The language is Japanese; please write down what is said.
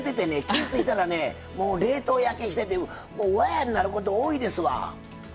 気付いたら冷凍焼けしててわやになること多いですわ。